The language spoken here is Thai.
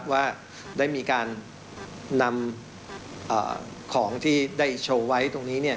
ว่าได้มีการนำของที่ได้โชว์ไว้ตรงนี้